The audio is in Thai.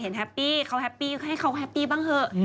เห็นแฮปปี้เขาแฮปปี้เขาคือแฮปปี้บ้างเถอะ